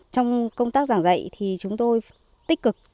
trong công tác giảng dạy thì chúng tôi tích cực